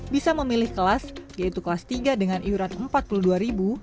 bisa memilih kelas yaitu kelas tiga dengan iuran rp empat puluh dua